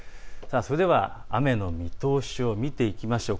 それでは雨の見通しを見ていきましょう。